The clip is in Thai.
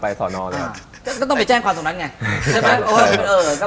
พี่ต้องไปแจ้งความสุขอย่างไง